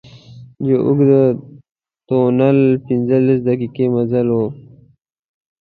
یو اوږد تونل پنځلس دقيقې مزل و.